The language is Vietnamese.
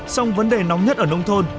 xong vấn đề nóng nhất ở nông thôn